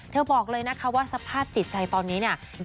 บอกเลยนะคะว่าสภาพจิตใจตอนนี้เนี่ย